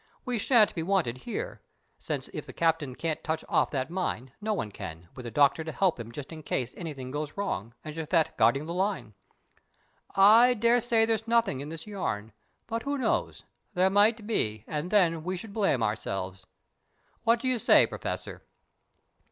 We shan't be wanted here, since if the Captain can't touch off that mine, no one can, with the Doctor to help him just in case anything goes wrong, and Japhet guarding the line. I daresay there's nothing in this yarn, but who knows? There might be, and then we should blame ourselves. What do you say, Professor?"